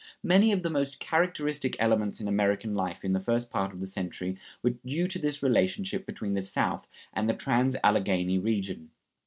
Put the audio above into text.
Many of the most characteristic elements in American life in the first part of the century were due to this relationship between the South and the trans Alleghany region.